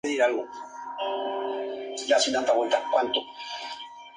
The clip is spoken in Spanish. En la película "Las vacaciones de Mr.